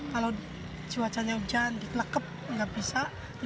kalau cuacanya hujan di selekep nggak bisa lima puluh